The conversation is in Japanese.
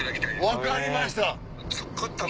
分かりました。